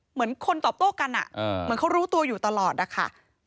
เหมือนคนตอบโต้กันเหมือนเขารู้ตัวอยู่ตลอดนะคะ